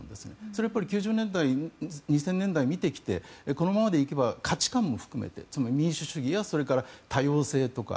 それは９０年代２０００年代見てきてこのままで行けば価値観も含めてつまり民主主義やそれから多様性とか